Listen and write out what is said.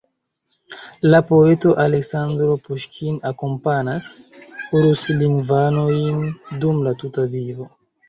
La poeto Aleksandro Puŝkin akompanas ruslingvanojn dum la tuta vivo.